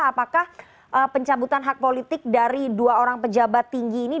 apakah pencabutan hak politik dari dua orang pejabat tinggi ini